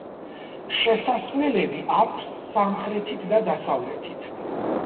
შესასვლელები აქვს სამხრეთით და დასავლეთით.